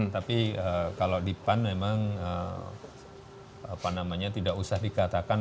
tapi kalau di pan memang tidak usah dikatakan